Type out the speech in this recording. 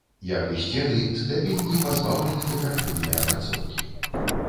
Як і сцены, скляпенні пазбаўлены дэкаратыўнай апрацоўкі.